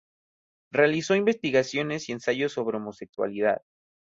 Realizó investigaciones y ensayos sobre homosexualidad.